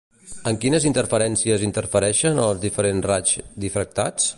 Amb quines interferències interfereixen els diferents raigs difractats?